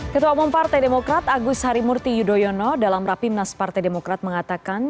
ketua umum partai demokrat agus harimurti yudhoyono dalam rapimnas partai demokrat mengatakan